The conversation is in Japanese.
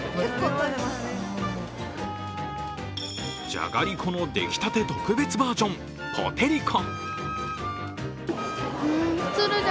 じゃがりこの出来たて特別バージョン、ポテりこ。